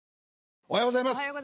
おはようございます。